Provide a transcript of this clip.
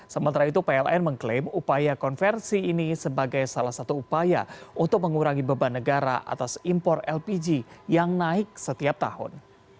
sementara itu pln mengklaim upaya konversi ini sebagai salah satu upaya untuk mengurangi beban negara atas impor lpg yang naik setiap tahun